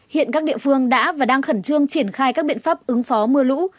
hiện các địa phương đã và đang khẩn trương triển khai các biện pháp ứng phó mưa lũ